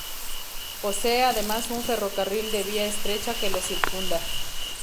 Posee además un ferrocarril de vía estrecha que lo circunda.